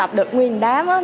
kiểu tụ tập được nguyên đám á